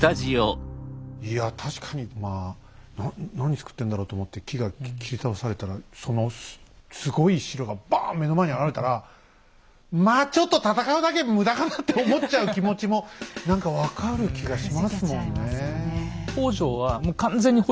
いや確かにまあ何つくってんだろうと思って木が切り倒されたらそのすごい城がバーン目の前に現れたらまあちょっと戦うだけむだかなって思っちゃう気持ちも何か分かる気がしますもんね。